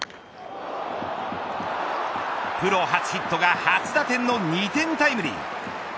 プロ初ヒットが初打点の２点タイムリー。